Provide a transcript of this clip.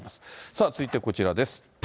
さあ続いてこちらです。